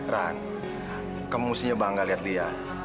ran kamu mesti bangga liat lia